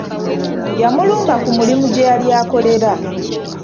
Yamulumba ku mulimu gye yali akolera.